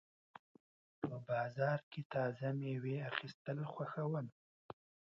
په بازار کې تازه مېوې اخیستل خوښوم.